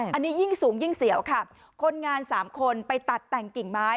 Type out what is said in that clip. อันนี้ยิ่งสูงยิ่งเสียวค่ะคนงานสามคนไปตัดแต่งกิ่งไม้